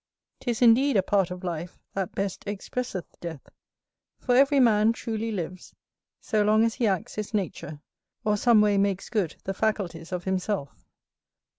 'Tis indeed a part of life that best expresseth death; for every man truly lives, so long as he acts his nature, or some way makes good the faculties of himself.